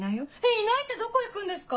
いないってどこ行くんですか？